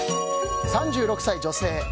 ３６歳女性。